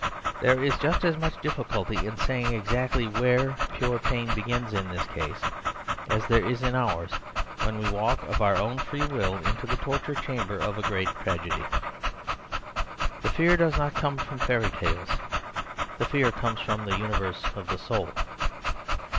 There is just as much difficulty in saying exactly where pure pain begins in his case, as there is in ours when we walk of our own free will into the torture chamber of a great tragedy. The fear does not come from fairy tales; the fear comes from the universe of the soul.